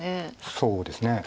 そうですね。